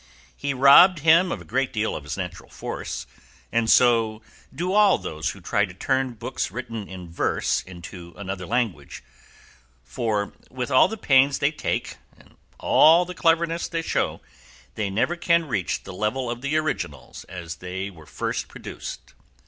He robbed him of a great deal of his natural force, and so do all those who try to turn books written in verse into another language, for, with all the pains they take and all the cleverness they show, they never can reach the level of the originals as they were first produced.